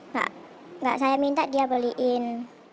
nggak saya minta dia beliin